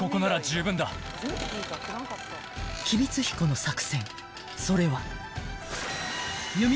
［吉備津彦の作戦それは］